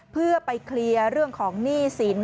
เพื่อไปเคลียร์เรื่องของหนี้สิน